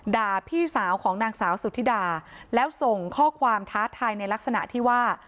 ด่าพี่สาวของนางสาวสุธิดาแล้วส่งข้อความท้าทายในลักษณะที่ว่า